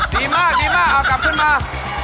ดีมากดีมากเอากลับขึ้นมา